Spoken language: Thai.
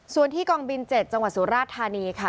ส่วนที่กองบิน๗จังหวัดสุราชธานีค่ะ